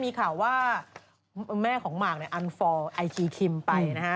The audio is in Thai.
มีข่าวว่าแม่ของหมากในอันฟอร์ไอทีคิมไปนะฮะ